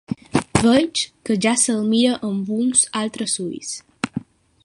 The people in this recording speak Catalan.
Veig que ja se'l mira amb uns altres ulls.